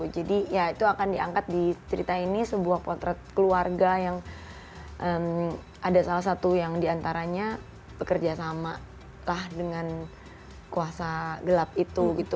jadi ya itu akan diangkat di cerita ini sebuah potret keluarga yang ada salah satu yang diantaranya bekerja sama lah dengan kuasa gelap itu gitu